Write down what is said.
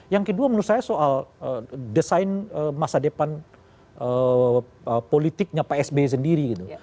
yang kedua menurut saya soal desain masa depan politiknya pak sby sendiri gitu